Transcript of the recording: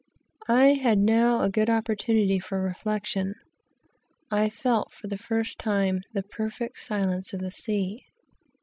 I had now a fine time for reflection. I felt for the first time the perfect silence of the sea.